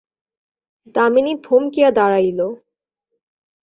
দামিনী থমকিয়া দাঁড়াইল।